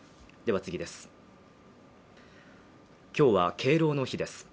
今日は敬老の日です。